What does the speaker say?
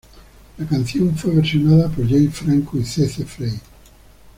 La canción fue versionada por James Franco y CeCe Frey.